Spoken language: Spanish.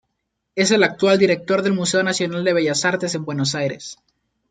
Es el actual director del Museo Nacional de Bellas Artes en Buenos Aires.